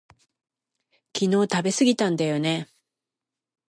昨日食べすぎたんだよね